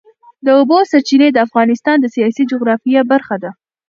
د اوبو سرچینې د افغانستان د سیاسي جغرافیه برخه ده.